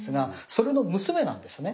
それの娘なんですね。